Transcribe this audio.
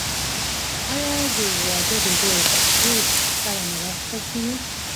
آیا د واده ډوډۍ ته ټول کلی نه راغوښتل کیږي؟